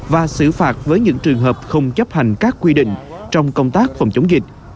và xử phạt với những trường hợp không chấp hành các quy định trong công tác phòng chống dịch